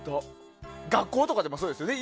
学校とかでもそうですよね。